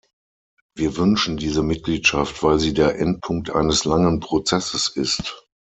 Wir wünschen diese Mitgliedschaft, weil sie der Endpunkt eines langen Prozesses ist.